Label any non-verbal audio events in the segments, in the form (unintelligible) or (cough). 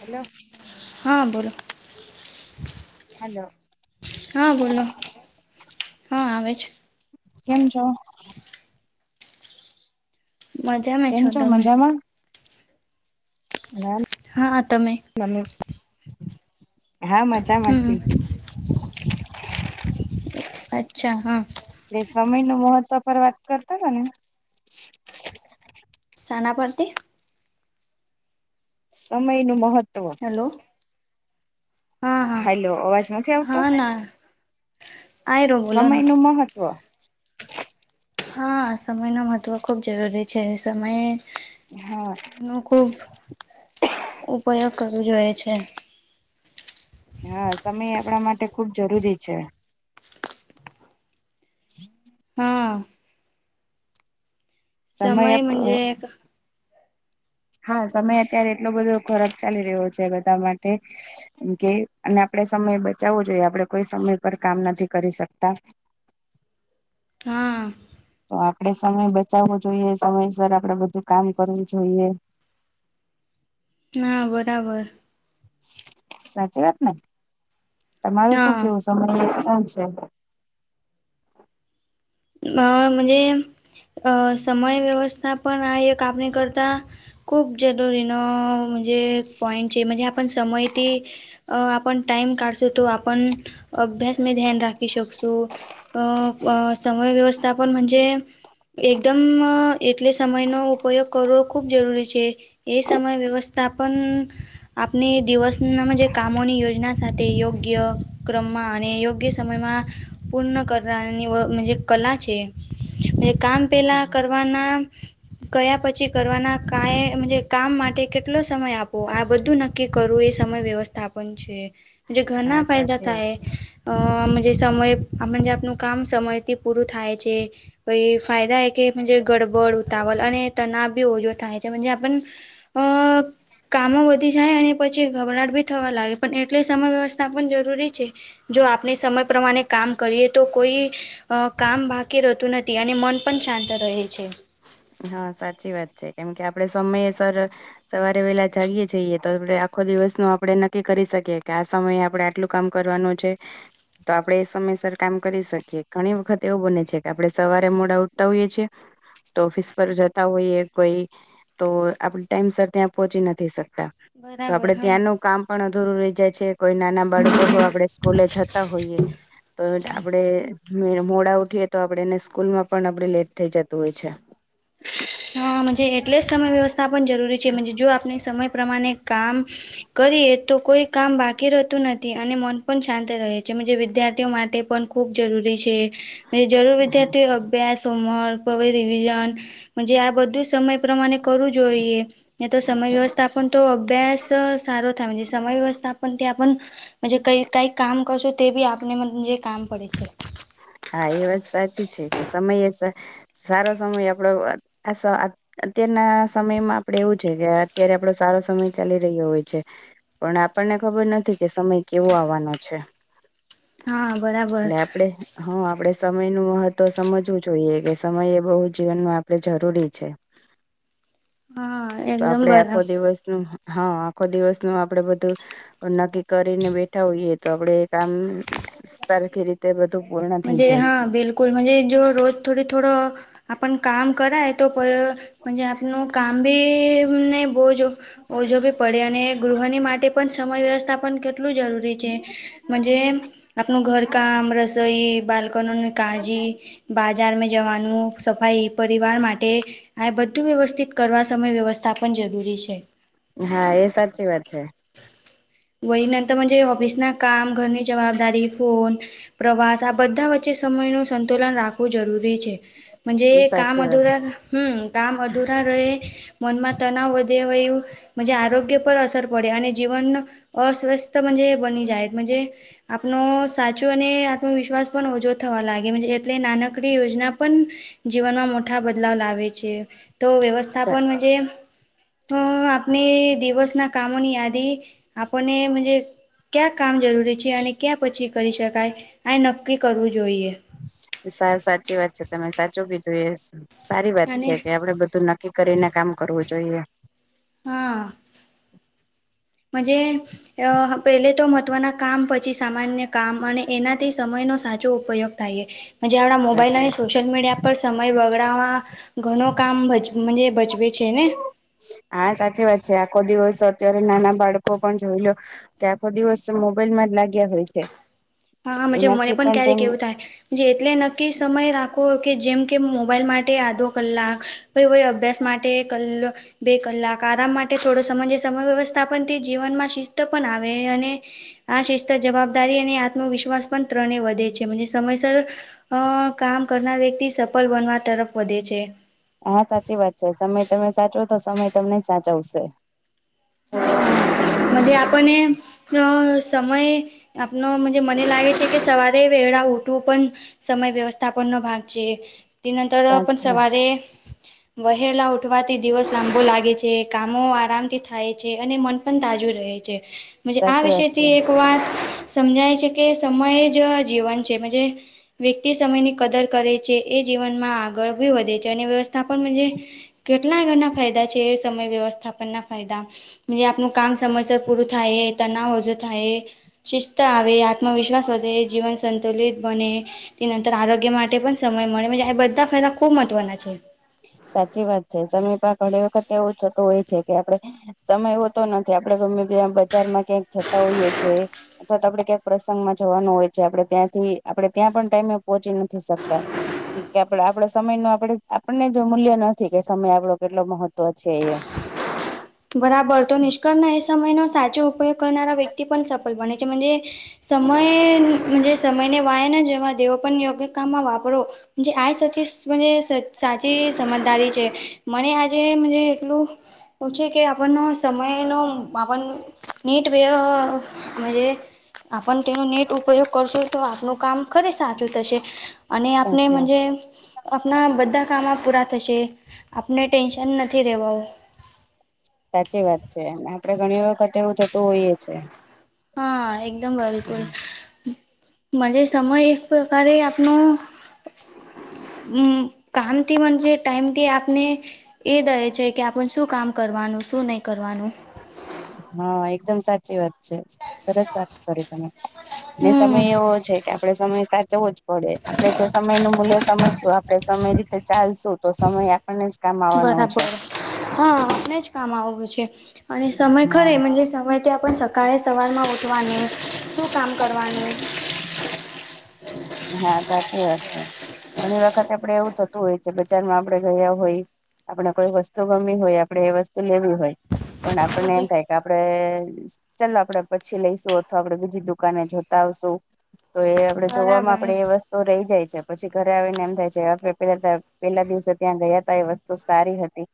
Hello. હા બોલો hello. હા બોલો હા આવે છે. કેમ છો? મજામાં છો તમે? મેમ હા તમે. હા મજામાં છે. હમ અચ્છા હા. એટલે સમય નું મહત્વ પર વાત કરતો હતા ને સાના પરથી સમય નું મહત્વ હેલો. હા હા હેલો અવાજ નથી આવતો. હા ના આયરો બોલો સમય ના નું મહત્વ. હા સમય નુ મહત્વ ખૂબ જરૂરી છે સમય હા. એનો ખૂબ ઉપયોગ કરવો જોઈએ છે. હા, સમય આપણા માટે ખુબ જરૂરી છે. (inaudible) હા સમય મનજે હા, સમય અત્યારે એટલો બધો ખરાબ ચાલી રહ્યો છે. બધા માટે કેમ કે અને આપણે સમય બચાવવો જોઈએ. આપણે કોઈ સમય પર કામ નથી કરી શકતા. હા તો આપડે સમય બચાવવો જોઈએ. સમયસર આપડે બધું કામ કરવું જોઈએ. ના બરાબર. સાચી વાત ને તમારે શું હા કેવું સમય એ સુ છે. અ મનજે અ સમય વ્યવસ્થા પણ આ એક આપણે કરતા. ખૂબ જરૂરીનો મનજે પૉઈન્ટ છે મનજે આપણ સમયથી અ આપણ ટાઈમ કાઢશું તો આપણ અભ્યાસમાં ધ્યાન રાખી શકશું. અ પ સમય વ્યવસ્થા પણ મજે એકદમ એટલે સમયનો ઉપયોગ કરવો ખૂબ જરૂરી છે. એ સમય વ્યવસ્થાપન આપણે દિવસના જે કામોની યોજના સાથે યોગ્ય ક્રમમાં અને યોગ્ય સમયમાં પુર્ન કરનાનીવમ જે કલા છે, એ કામ પેલા કરવા પન કયા પછી કરવાના, કાઈ જે કામ માટે કેટલો સમય આપવો? આ બધું નક્ ક્કી કરવુ, એ સમય વ્યવસ્થાપન છે. જે હા ઘના ફાયદા સાચી વાત થાય. છે અ જે સમય આપણે જે આપણું કામ સમયથી પૂરું થાય છે. પહિ ફાયદા હે કે જે ગડબડ, ઉતાવલ અને તનાવ બી ઓછો થાય છે. પછી આપણને અ કામો વધી જાય, અને પછી ગભરાટ બી થવા લાગે, પણ એટલે સમય વ્યવસ્થાપન જરૂરી છે. જો આપણે સમય પ્રમાણે કામ કરીએ તો કોઈ કામ બાકી રહેતું નથી અને મન પણ શાંત રહે છે. હા, સાચી વાત છે. કેમ કે આપડે સમયસર સવારે વેહલા જાગીએ જઈએ, તો હવે આખો દિવસનું આપણે નક્કી કરી સકીએ કે આ સમયે આપણે આટલું કામ કરવાનું છે. તો આપણે એ સમયસર કામ કરી સકીએ. ઘણી વખત એવું બને છે કે આપણે સવારે મોડા ઉઠતા હોઈએ છીએ, તો ઓફિસ પર જતા હોઈએ કોઈ, તો આપણે ટાઈમ સર ત્યાં પોહોંચી નથી સકતા. તો બરાબર આપડે હા. ત્યાંનું કામ પણ અધુરુ રહી જાય છે, કોઈ નાના બાળકો કોઈ આપડે સ્કૂલે જતા હોઈએ. તો આપડે મોડા ઉઠીએ, તો આપડે એને સ્કૂલમાં પણ આપડે લેટ થઈ જતું હોય છે. હા, મજે એટલે જ સમય વ્યવસ્થાપન જરૂરી છે, મજે જો આપને સમય પ્રમાને કામ કરીએ તો કોઈ કામ બાકી રહેતું નથી, અને મન પણ શાંત રહે છે. મજે વિદ્યાર્થીઓ માટે પન ખૂબ જરૂરી છે એ જે જરૂર વિદ્યાર્થીઓ અભ્યાસ, હોમર્ક હવે રિવિઝન, મજે આ બધું સમય પ્રમાને કરવું જોઈએ. નહીં તો સમય વ્યવસ્થાપન તો અભ્યાસ સારો થાવો જોઈએ. સમય વ્યવસ્થાપન ત્યાં પન મજે કઈ કઈ કામ કરશો તે બી આપને મન જે કામ પડે છે. હા, એ વાત સાચી છે કે સમય હસે, સારો સમય આપડો ખાસો આ અત્યારના સમયમાં આપડે એવું છે કે અત્યારે આપડો સારો સમય ચાલી રહ્યો હોય છે. પણ આપણને ખબર નથી કે સમય કેવો આવવાનો છે? હા બરાબર એટલે આપડે હા, આપડે સમય નું મહત્વ સમજવું જોઈએ કે સમય એ બહુ જીવનમાં આપણે જરૂરી છે. હા તો એકદમ આપડે આખો બરાબર દિવસ હા, આખો દિવસનું આપણે બધું નક્કી કરીને બેઠા હોઈએ તો આપડે એ કામ સરખી રીતે બધું પૂર્ણ થઈ મજે જાય હા, બિલકુલ મજે, જો રોજ થોડોથોડો આપન કામ કરાય, તો પય આપનું કામ બી નહીં બોજો ઓજો બી પડે, અને ગૃહની માટે પણ સમય વ્યવસ્થા પન કેટલું જરૂરી છે, મજે આપનું ઘરકામ, રસોઈ બા ધનુની કાળજી, બાજાર મેં જવાનું, સફાઈ, પરિવાર માટે આય બધું વ્યવસ્થિત કરવા સમયવ્યવસ્થાપન જરૂરી છે. હા, એ સાચી વાત છે. વહીને તો મજે ઓફિસના કામ, ઘરની જવાબદારી, ફોન પ્રવાસ, આ બધા વચ્ચે સમય નું સંતુલન રાખવું જરૂરી છે. મજે કામ સાચી અધૂરા હમ, કામ અધૂરા રહે, મનમાં તનાવ વધે હોય એવું જ આરોગ્ય પર અસર પડે અને જીવન અસ્વસ્થજ બની જાયમજે. આપનો સાચો અને આત્મવિશ્વાસ પણ ઓછો થવા લાગે એટલે નાનકડી યોજના પણ. જીવનમાં મોટા બદલાવ લાવે છે, તો વાત વ્યવસ્થાપન મજે હ, આપને દિવસના કામોની યાદી, આપનેજે ક્યાં કામ જરૂરી છે? અને ક્યાં પછી કરી શકાય? આ નક્કી કરવું જોઈએ. સાવ સાચી વાત છે, તમે સાચું કીધું એ, સારી વાત અને છે કે આપડે બધું નક નકી કરીને કામ કરવું જોઈએ. હા. મજ જે. અ પેલે તો મહત્ત્વના કામ પછી સામાન્ય કામ અને એનાથી સમયનો સાચો ઉપયોગ. થાયે જયારે મોબાઇલ સાચી જોશુ. સોશિયલ મીડિયા પર સમય બગડાવવા ઘણું કામ ભજ ભજવે છે ને. હા સાચી વાત છે આખો દિવસ અત્યારે નાના બાળકો પણ જોઈ લો. કે આખો દિવસ મોબાઈલ માં જ લાગ્યા હોય છે. હાા મને એનાથી પણ તેમ ક્યારેક એવું થાય. જે એટલે નક્કી સમય રાખો કે જેમ કે મોબાઈલ માટે આધો કલાક. ભ હોય અભ્યાસ માટે કલ. બે કલાક આરામ માટે થોડો સમય સમય વ્યવસ્થા પણન તે જીવનમાં શિસ્ત પણ આવે અને આ શિસ્ત જવાબદારી અને આત્મવિશ્વાસ પણ ત્રણે વધે છે સમયસર. અ કામ કરનાર વ્યક્તિ સફળ બનવા તરફ વધે છે. હા સાચી વાત છે સમય તમે સાચો તો સમય તમને સાચવશે. (inaudible) જ આપને અ સમય. આપનો મને લાગે છે કે સવારે વેળા ઉઠવું પણ. સમય વ્યવસ્થાપન ન ભાગ છે તે નંતર પણ સાચી સવારે. વહેલા ઉઠવાથી દિવસ લાંબો લાગે છે કામો આરામથી થાય છે. અને મન પણ તાજું રહે છે આ સાચી વાત છે વિષથી. એક વાત સમજાય છે કે સમયે જ જીવન છે મજે. વ્યક્તિ સમયની કદર કરે છે એ જીવનમાં આગળ બી વધે છે અને વ્યવસ્થાપન મજે. કેટલાંગના ફાયદા છે સમય વ્યવસ્થાપન ના ફાયદા. આપનું કામ સમયસર પૂરું થાય તનાવ ઓજુ થાય. શિસ્ત આવે આત્મવિશ્વાસ વધે જીવન સંતુલિત બને. તે નંતર આરોગ્ય માટે પણ સમય મળે આ બધા ફાયદા ખુબ મહત્વના છે. સાચી વાત છે સમીપા ઘડી વખતે એવું થતું હોય છે. કે આપણે સમય હોતો નથી આપડે ગમે ત બજારમાં ક્યાંક જતા હોઈએ છે. અથવા તો આપડે ક્યાંક પ્રસંગમાં જવાનું હોય છે આપણે ત્યાંથી આપણે ત્યાં પણ ટાઈમે પોહોંચી નથી શકતા. કે આપડ આપડા સમય ન આપડે આપણને. મૂલ્ય નથી કે સમય આપડો કેટલો મહત્વ છે એ બરાબર તો નિષ્કળણ એ સમયનોો સાચો ઉપયોગ કરનારા વ્યક્તિ પણ સફળ બના છે મજે. સમયજ સમયને વાયાને જેમાં દેવો પણ યોગ્ય કામમાં વાપરો. જે આ સાચી સાચી સમજદારી છે મને આજે એટલું. પછી. કે આપણ સમયનો આપણ નીટ વ મજે. આપણ તેનો નેટ ઉપયોગ કરશો તો આપનું કામ ખરે સાચું થશે. અને આપણે સાચી વાત મજે. આપણા બધા કામ પૂરા થશે આપને ટેન્શન નથી રહેવા. સાચી વાત છે એમા. આપડે ઘણી વખત એવું થતું હોઈએ છીએ. હા એકદમ બલકુલ. મજ સમય એક પ્રકારે આપનો. હમ કામથી વજે ટાઈમથી આપને એ દહે છે કે આપણ શું કામ કરવાનું શું નહીં કરવાનું હા એકદમ સાચી વાત. સરસ વાત કરી તમે હમ સમય એવો છે કે આપડે સમય સાચવો જ. પડે આપડે જે સમય નું મૂલ્ય સમજશું આપડે સમય રીતે ચાલશું તો સમય આપણને જ કામ આવવાનો છે બરાબર હા આપમને જ કામ આવવું છે અને સમય ખરે હા સમય. કે આપણ સકાળે સવારમાં ઉઠવાની શું કામ કરવાનું હા સાચી વાત છે ઘણી વખત આપડે એવું થતું હોય છે બજાર માં આપડે ગયા હોય આપણેે કોઈ વસ્તુ ગમવી હોય આપડે એ વસ્તુ લેવી હોય પણ આપણને એમ થાય કે આપડે ચાલ આપડે પછી લઈશું અથવા આપડે બીજી દુકાને જોતા આવશું તો એ જોવામાં બરાબર આપડે એ વસ્ તો રહી જાય છે પછી ઘરે આવી ને એમ થાય છે આપે પેલા પેલા દિવસે ત્યાં ગયા હતા એ વસ્તુ સારી હતી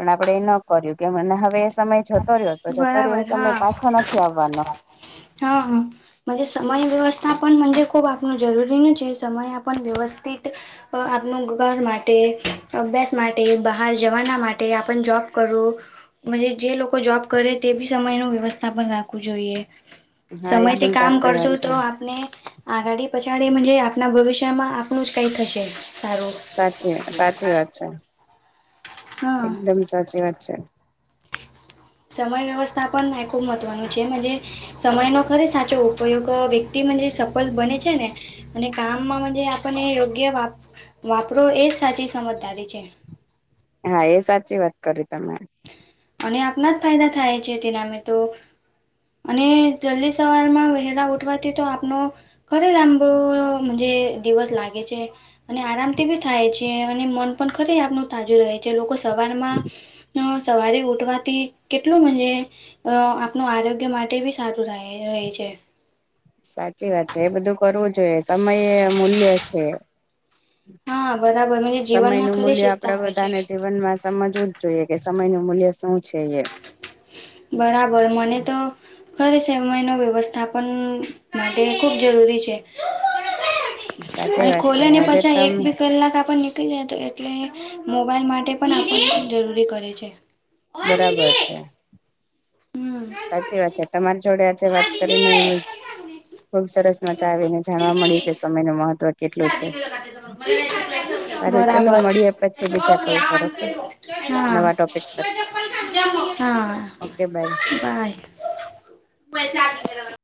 પણ આપડે એ ન કર્યું કે મ હવે એ સમય જતો રહ્યો હતો જતો રહ્યો બરાબર એ સમય પાછો નથી આવવાનો હા હા સમય વ્યવસ્થા પણન ખૂબ આપણું જરૂરી છે સમય આપણ વ્યવસ્થિત આપનું ઘર માટે અભ્યાસ માટે બહાર જવાના માટે આપણ જોબ કરવું જે લોકો જોબ કરે તે બી સમય નુ વ્યવસ્થા પણ રાખવું જોઈએ હા સમયથી એકદમ કામ સાચી વાત કરશું છે તો આપને આગાડી પછાડી મજે આપના ભવિષ્યમાં આપણું જ કઈ થશે સારું ચી વાત છે હા એકદમ સાચી વાત છે. સમય વ્યવસ્થાપન ખૂબ મહત્વનું છે સમયનો ખરે સાચો ઉપયોગ વ્યક્તિમાં જે સફળ બને છે ને અને કામમાં જે આપણને યોગ્ય વાપ વાપરો એજ સાચી સમજદારી છે. હા એ સાચી વાત કરી તમે અને આપણા જ ફાયદા થાય છે તેના અમે તો અને જલ્દી સવારમાં વહેલા ઉઠવાથી તો આપનો ખરે લાંબો જે દિવસ લાગે છે. અને આરામથી બી થાય છે અને મન પણ ખરી આપણું તાજું રહે છે લોકો સવાર માં સવારે ઉઠવાથી કેટલુંજે અ આપનું આરોગ્ય માટે બી સારું રહે છે. સાચી વાત છે એ બધું કરવું જોઈએ સમયે મૂલ્ય છે. હા બરાબર મને સમય જીવનમાં નું ખરી મૂલ્ય શિસ્ત આપડે આવે છે. બધાને જીવનમાં સમજવું જોઈએ કે સમય નું મૂલ્ય શું છે એ બરાબર મને તો ખરે સમયનો વ્યવસ્થાપન માટે ખૂબ જરૂરી છે. સાચી અને વાત છે ખોલે ને આજે પછા એક તમે બે કલાક આપ નીકળી જાય તો એટલે મોબાઈલ માટે પણ આપણે જરૂરી કરે છે. બરાબર છે. હમ. સાચી વાત છે તમારી જોડે આજે વાત કરીને ખુબ સરસ મજા આવી ને જાણવા મળ્યું કે સમયનું મહત્વ કેટલું છે (unintelligible) સારું ચલો મળીએ પછી બીજા કોલ પર બરાબર. ઓકે નવા ટોપિક પર હા ઓકે બાય હા. બાય.